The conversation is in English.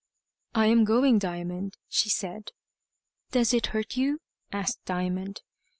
"I am going, Diamond," she said. "Does it hurt you?" asked Diamond.